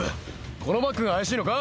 このバッグが怪しいのか？